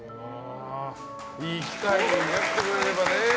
いい機会になってくれればね。